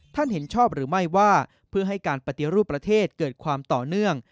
เห็นชอบหรือไม่ว่าเพื่อให้การปฏิรูปประเทศเกิดความต่อเนื่อง